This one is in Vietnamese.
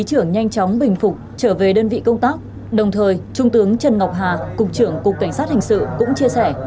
trong buổi thăm hỏi trung tướng trần ngọc hà cục trưởng cục cảnh sát hình sự cũng chia sẻ